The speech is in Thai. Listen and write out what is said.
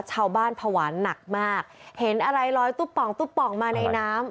ชาวบ้านพวารหนักมากเห็นอะไรลอยตุ๊บป๋องตุ๊บป๋องมาในน้ำ